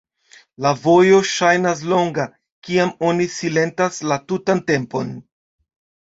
La vojo ŝajnas longa, kiam oni silentas la tutan tempon.